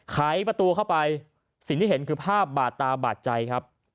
ไขประตูเข้าไปสิ่งที่เห็นคือภาพบาดตาบาดใจครับ